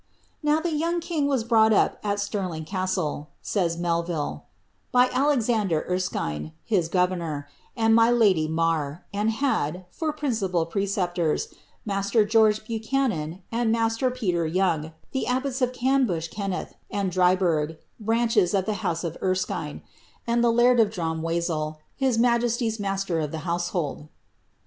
^ Now, the young king was brought up at Stirling Castle," says Mel ville,' ^ by Alexander Erskine, (his governor,) and my lady Marr, and had, for principal preceptors, master George Buchanan and master Peter Toang, the abbots of Cambuskenneth and Dryburgh, (branches of the house of Erskine,) and the laird of Dromwhassel, his majesty's master of the household."